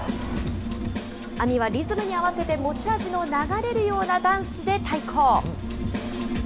ＡＭＩはリズムに合わせて持ち味の流れるようなダンスで対抗。